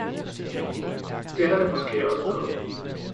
Det har det måske også været